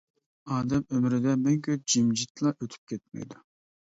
ئادەم ئۆمرىدە مەڭگۈ جىمجىتلا ئۆتۈپ كەتمەيدۇ.